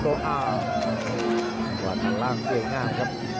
จากกลางร่างเกลือหน้าครับ